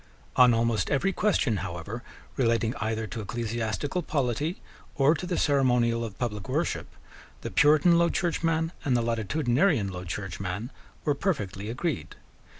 On almost every question, however, relating either to ecclesiastical polity or to the ceremonial of public worship, the Puritan Low Churchman and the Latitudinarian Low Churchman were perfectly agreed.